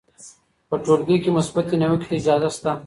په ټولګي کې مثبتې نیوکې ته اجازه سته.